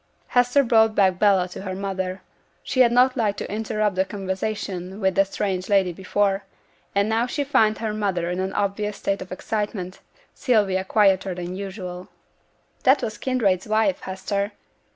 Hester brought back Bella to her mother. She had not liked to interrupt the conversation with the strange lady before; and now she found her mother in an obvious state of excitement; Sylvia quieter than usual. 'That was Kinraid's wife, Hester!